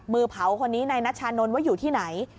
มือเผาคนนี้นายนัชชานนท์ว่าอยู่ที่ไหน